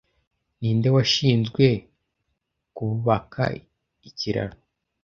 Ninde washinzwe kububaka ikiraro